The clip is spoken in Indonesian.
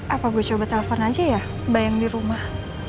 apa gue coba telfon aja ya mbak yang di rumah